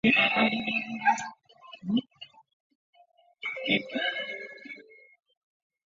形成福建文史上的一桩公案。